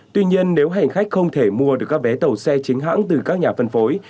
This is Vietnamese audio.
tuy nhiên nếu hành khách không thể mua được các vé tàu xe chính hãng từ các nhà phân phối